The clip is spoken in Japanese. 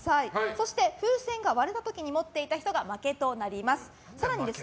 そして、風船が割れた時に持っていた人が負けとなります。